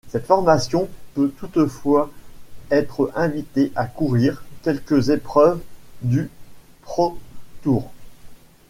Cette formation peut toutefois être invitée à courir quelques épreuves du ProTour.